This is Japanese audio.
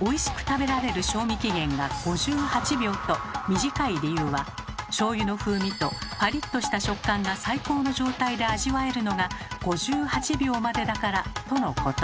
おいしく食べられる賞味期限が５８秒と短い理由はしょうゆの風味とパリッとした食感が最高の状態で味わえるのが５８秒までだからとのこと。